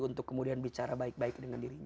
untuk kemudian bicara baik baik dengan dirinya